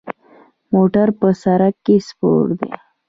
د موټر په سر کې سپور دی.